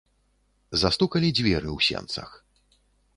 Застукалі дзверы ў сенцах.